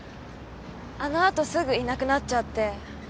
あの後すぐいなくなっちゃって。